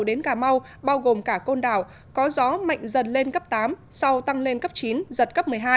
đến cà mau bao gồm cả côn đảo có gió mạnh dần lên cấp tám sau tăng lên cấp chín giật cấp một mươi hai